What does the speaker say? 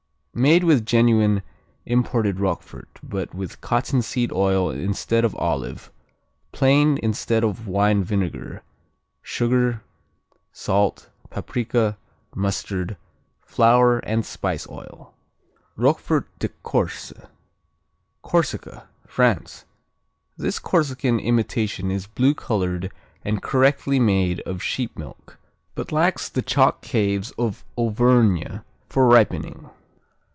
_ Made with genuine imported Roquefort, but with cottonseed oil instead of olive, plain instead of wine vinegar, sugar, salt, paprika, mustard, flour and spice oil. Roquefort de Corse Corsica, France This Corsican imitation is blue colored and correctly made of sheep milk, but lacks the chalk caves of Auvergne for ripening.